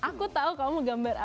aku tahu kamu menggambar apa